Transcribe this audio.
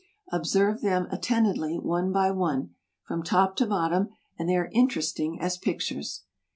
Observe them attentively one by one, from top to bottom, and they are interesting as pictures.